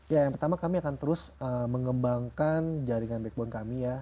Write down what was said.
ya yang pertama kami akan terus mengembangkan jaringan backbone kami ya